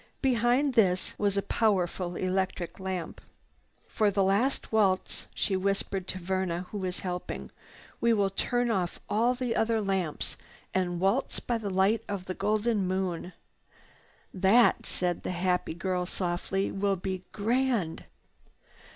Behind this was a powerful electric lamp. "For the last waltz," she whispered to Verna who was helping. "We will turn off all the other lamps and waltz by the light of the golden moon." "That," said the happy girl softly, "will be grand."